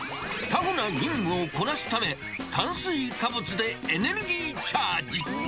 タフな任務をこなすため、炭水化物でエネルギーチャージ。